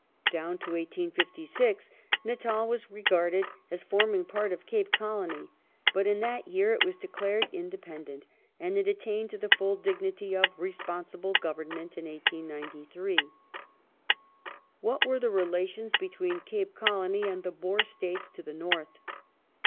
Down to 1856 Natal was regarded as forming part of Cape Colony, but in that year it was declared independent, and it attained to the full dignity of " responsible " government in 1893. What were the relations between Cape Colony and the Boer British States to the north